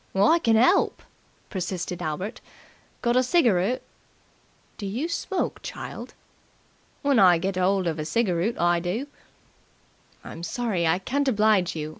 "I can 'elp!" persisted Albert. "Got a cigaroot?" "Do you smoke, child?" "When I get 'old of a cigaroot I do." "I'm sorry I can't oblige you.